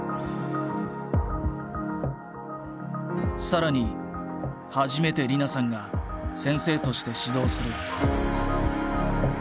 更に初めて莉菜さんが先生として指導する。